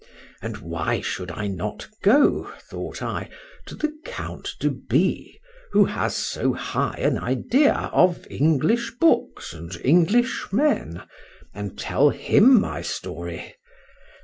—And why should I not go, thought I, to the Count de B—, who has so high an idea of English books and English men—and tell him my story?